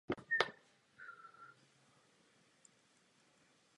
Během jednoho dílu měli diváci možnost soutěžit dvakrát.